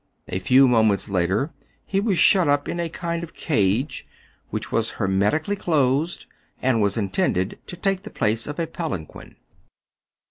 A few moments later he was shut up in a kind of cage, which was hermetically closed, and was intended to take the place of a palanquin.